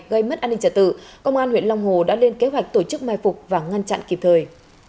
gây mất an ninh trả tự công an huyện long hồ đã lên kế hoạch tổ chức mai phục và ngăn chặn kịp thời